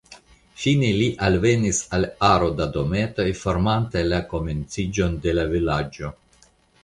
Fine ili alvenis al aro da dometoj, formantaj la komenciĝon de la vilaĝo.